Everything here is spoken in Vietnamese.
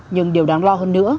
nhưng điều đáng lo hơn nữa